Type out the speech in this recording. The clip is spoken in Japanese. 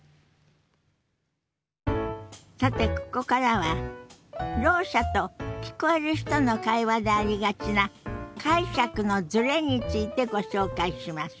さてここからはろう者と聞こえる人の会話でありがちな解釈のズレについてご紹介します。